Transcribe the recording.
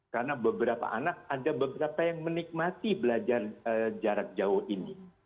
karena beberapa anak ada beberapa yang menikmati belajar jarak jauh ini